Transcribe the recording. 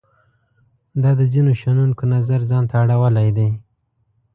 دا د ځینو شنونکو نظر ځان ته اړولای دی.